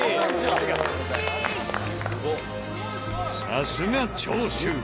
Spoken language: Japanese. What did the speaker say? さすが長州！